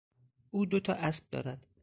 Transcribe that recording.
او دو تا اسب دارد.